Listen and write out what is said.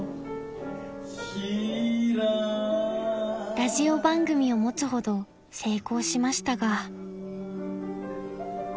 ［ラジオ番組を持つほど成功しましたが］